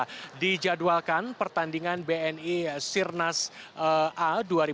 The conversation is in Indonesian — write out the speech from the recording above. sudah dijadwalkan pertandingan bni sirnas a dua ribu dua puluh